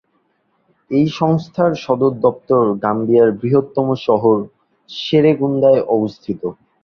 এই সংস্থার সদর দপ্তর গাম্বিয়ার বৃহত্তম শহর সেরেকুন্দায় অবস্থিত।